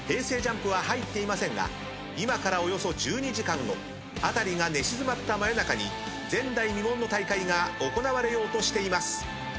ＪＵＭＰは入っていませんが今からおよそ１２時間後辺りが寝静まった真夜中に前代未聞の大会が行われようとしています。